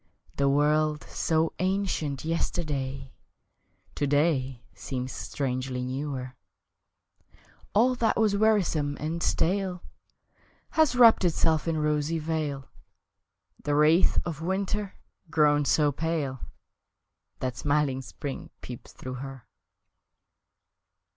The world, so ancient yesterday, To day seems strangely newer; All that was wearisome and stale Has wrapped itself in rosy veil The wraith of winter, grown so pale That smiling spring peeps through her!